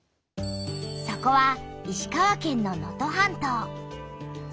そこは石川県の能登半島。